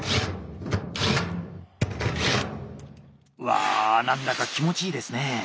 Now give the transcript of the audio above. わあ何だか気持ちいいですね。